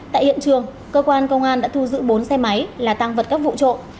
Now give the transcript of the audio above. tại hiện trường cơ quan công an đã thu giữ bốn xe máy là tang vật cắt vụ trộm